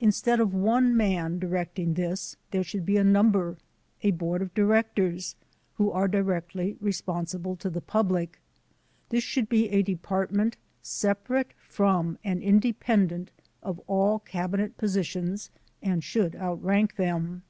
Instead of one man directing this there should be a number, a board of directors, who are directly responsible to the public. This should be a department separate from and independent of all Cabinet positions and should outrank them.